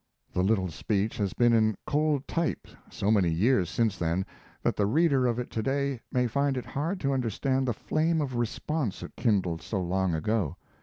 The little speech has been in "cold type" so many years since then that the reader of it to day may find it hard to understand the flame of response it kindled so long ago.